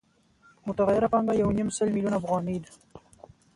متغیره پانګه یو نیم سل میلیونه افغانۍ ده